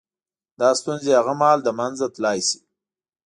• دا ستونزې هغه مهال له منځه تلای شي.